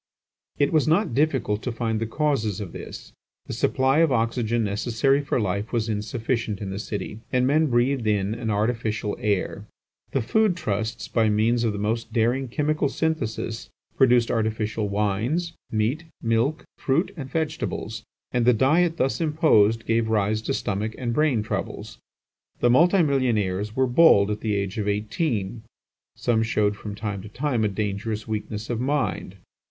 It was not difficult to find the causes of this. The supply of oxygen necessary for life was insufficient in the city, and men breathed in an artificial air. The food trusts, by means of the most daring chemical syntheses, produced artificial wines, meat, milk, fruit, and vegetables, and the diet thus imposed gave rise to stomach and brain troubles. The multi millionaires were bald at the age of eighteen; some showed from time to time a dangerous weakness of mind.